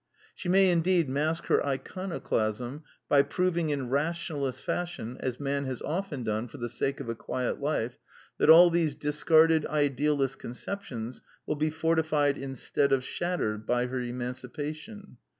She may indeed mask her iconoclasm by proving in ration alist fashion, as Man has often done for the sake of a quiet life, that all these discarded idealist conceptions will be fortified instead of shattered by her emancipation.